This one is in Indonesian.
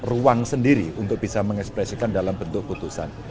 ruang sendiri untuk bisa mengekspresikan dalam bentuk putusan